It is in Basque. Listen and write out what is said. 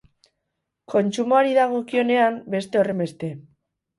Kontsumoari dagokionean beste horrenbeste.